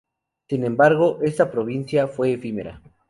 Sin embargo, esta provincia fue efímera.